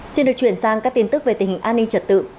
xin được chuyển sang các tin tức về tình hình an ninh trật tự